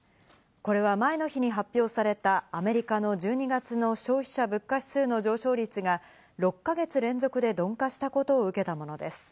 これは前の日に発表されたアメリカの１２月の消費者物価指数の上昇率が６か月連続で鈍化したことを受けたものです。